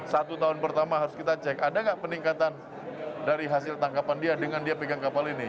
satu tahun pertama harus kita cek ada nggak peningkatan dari hasil tangkapan dia dengan dia pegang kapal ini